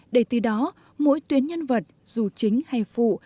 để từ đó mỗi tuyến nhân vật dù chính hay phụ